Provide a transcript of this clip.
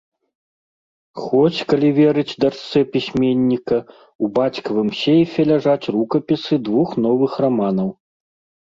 Хоць, калі верыць дачцэ пісьменніка, у бацькавым сейфе ляжаць рукапісы двух новых раманаў.